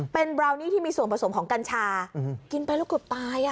เป็นบราวนี่ที่มีส่วนผสมของกัญชากินไปแล้วเกือบตาย